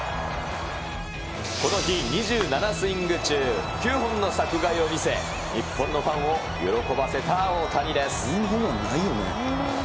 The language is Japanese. この日、２７スイング中９本の柵越えを見せ、日本のファンを喜ばせた大谷です。